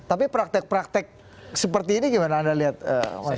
tapi praktek praktek seperti ini gimana anda lihat mas